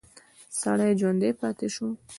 سړی ژوندی پاتې شو.